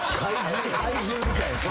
怪獣みたい。